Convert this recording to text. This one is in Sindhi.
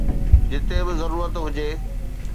جتي به ضرورت هجي